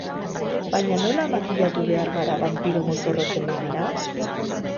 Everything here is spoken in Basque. Baina nola makillatu behar gara banpiro mozorrotzen bagara?